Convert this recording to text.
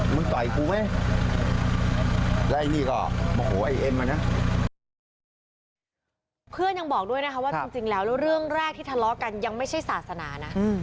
ยังบอกด้วยนะคะว่าจริงแล้วเรื่องแรกที่ทะเลาะกันยังไม่ใช่ศาสนานะ